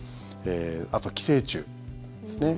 あと寄生虫ですね。